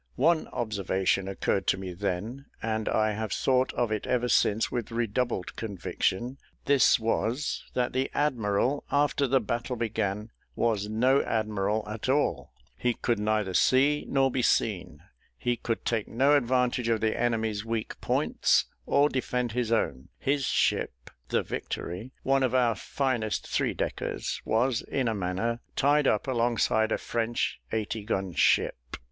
One observation occurred to me then, and I have thought of it ever since with redoubled conviction; this was, that the admiral, after the battle began, was no admiral at all: he could neither see nor be seen; he could take no advantage of the enemy's weak points or defend his own; his ship, the Victory, one of our finest three deckers, was, in a manner, tied up alongside a French eighty gun ship.